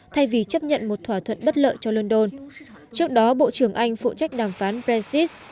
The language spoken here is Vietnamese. thay vì chấp nhận một thỏa thuận bất lợi cho london trước đó bộ trưởng anh phụ trách đàm phán brexit